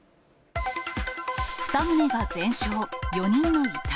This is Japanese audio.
２棟が全焼、４人の遺体。